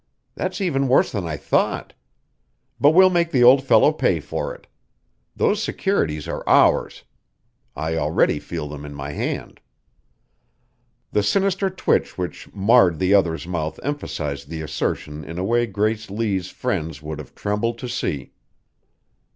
That's even worse than I thought. But we'll make the old fellow pay for it. Those securities are ours. I already feel them in my hand." The sinister twitch which marred the other's mouth emphasized the assertion in a way Grace Lee's friends would have trembled to see.